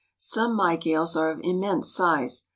Some Mygales are of immense size.